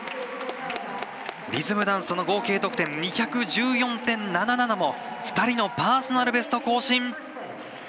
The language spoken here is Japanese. リズムダンスとの合計得点２１４．７７も２人のパーソナルベスト更新。